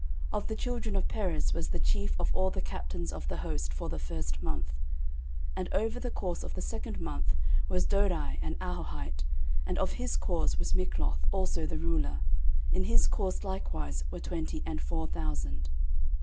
13:027:003 Of the children of Perez was the chief of all the captains of the host for the first month. 13:027:004 And over the course of the second month was Dodai an Ahohite, and of his course was Mikloth also the ruler: in his course likewise were twenty and four thousand.